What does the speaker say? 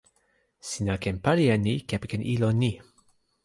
sina ken pali e ni kepeken ilo ni.